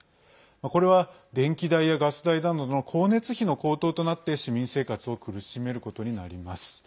これは、電気代やガス代などの光熱費の高騰となって市民生活を苦しめることになります。